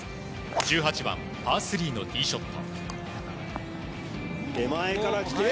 １８番、パー３のティーショット。